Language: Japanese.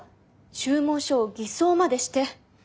注文書を偽装までして。